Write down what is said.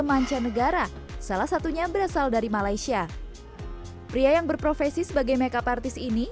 mancanegara salah satunya berasal dari malaysia pria yang berprofesi sebagai makeup artis ini